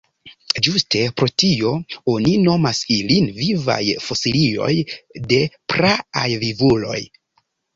Ĝuste pro tio oni nomas ilin vivaj fosilioj de praaj vivuloj.